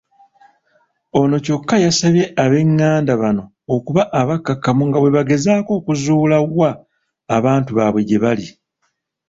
Ono kyokka yasabye ab'engganda bano okuba abakkakkamu nga bwebagezaako okuzuula wa abantu baabwe gyebali.